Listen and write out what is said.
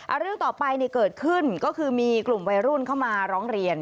เอาเรื่องต่อไปเนี่ยเกิดขึ้นก็คือมีกลุ่มวัยรุ่นเข้ามาร้องเรียน